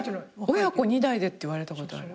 親子二代でって言われたことある。